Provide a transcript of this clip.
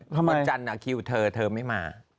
เพราะวันจันทร์คิวเธอเธอไม่มา